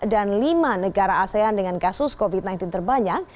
dan lima negara asean dengan kasus covid sembilan belas terbanyak